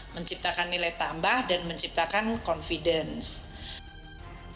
menciptakan nilai tambah dan menciptakan confidence